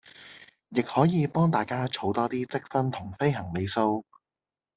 亦可以幫大家儲多啲積分同飛行里數